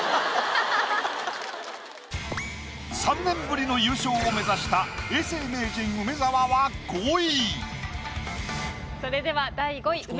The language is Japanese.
３年ぶりの優勝を目指した永世名人梅沢は５位。